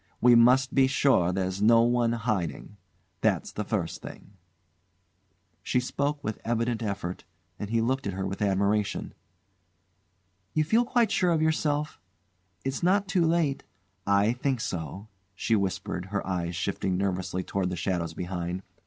We must be sure there's no one hiding. That's the first thing." She spoke with evident effort, and he looked at her with admiration. "You feel quite sure of yourself? It's not too late " "I think so," she whispered, her eyes shifting nervously toward the shadows behind.